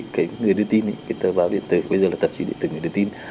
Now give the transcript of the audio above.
cái người đưa tin cái tờ báo điện tử bây giờ là tạp chí điện tử người đưa tin